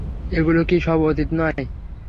এগুলো কি সব অতীত নয়?